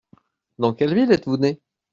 Dans quelle ville êtes-vous né ?